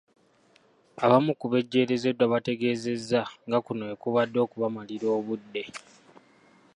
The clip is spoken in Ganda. Abamu ku bejjerezeddwa bategeezezza nga kuno bwe kubadde okubamalira obudde.